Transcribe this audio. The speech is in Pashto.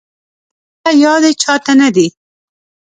دلته يادې چا ته نه دي